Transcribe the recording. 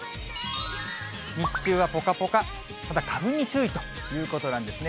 日中はぽかぽか、ただ、花粉に注意ということなんですね。